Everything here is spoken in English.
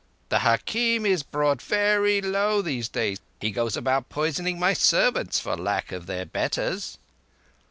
The hakim is brought very low these days. He goes about poisoning my servants for lack of their betters."